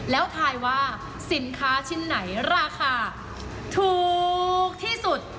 แล้วทายว่าสินค้าชิ้นไหนราคาถูกที่สุด